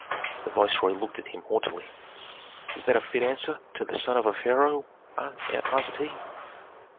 The viceroy looked at him haughtily. "Is that a fit answer to the son of a pharaoh?" asked he.